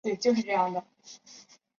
其一般栖息于潮间带细砂质底。